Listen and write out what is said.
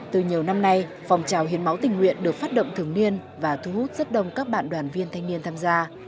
từ nhiều năm nay phòng trào hiến máu tình nguyện được phát động thường niên và thu hút rất đông các bạn đoàn viên thanh niên tham gia